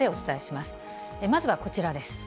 まずはこちらです。